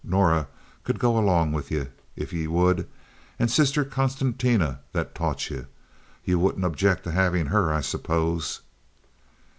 Norah could go along with ye, if you would, and Sister Constantia that taught you. Ye wouldn't object to havin' her, I suppose?"